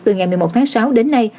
từ ngày một mươi một tháng sáu đến nay